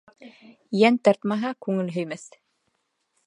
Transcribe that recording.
Йән тартмаһа күңел һөймәҫ.